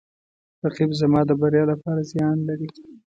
رقیب زما د بریا لپاره زیان لري